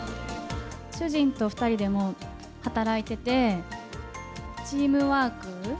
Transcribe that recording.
主人と２人でも、働いてて、チームワーク。